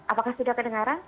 apakah sudah kedengaran